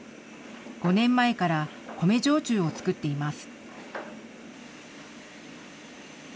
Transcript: ５年前から米焼酎を作っています。